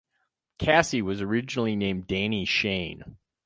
Cassie was originally named "Danni Shayne".